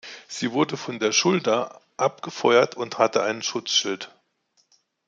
Sie wurde von der Schulter abgefeuert und hatte einen Schutzschild.